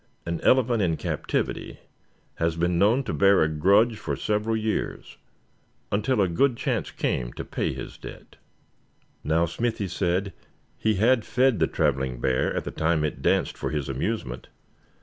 An elephant in captivity has been known to bear a grudge for several years, until a good chance came to pay his debt. Now Smithy said he had fed the traveling bear at the time it danced for his amusement.